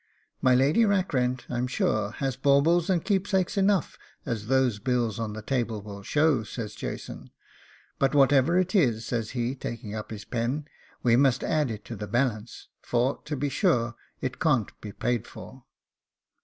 'My Lady Rackrent, I'm sure, has baubles and keepsakes enough, as those bills on the table will show,' says Jason; 'but whatever it is,' says he, taking up his pen, 'we must add it to the balance, for to be sure it can't be paid for.